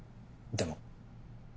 でも？